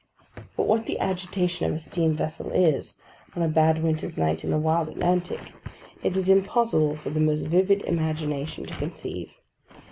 But what the agitation of a steam vessel is, on a bad winter's night in the wild Atlantic, it is impossible for the most vivid imagination to conceive.